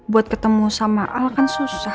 buat ketemu sama al kan susah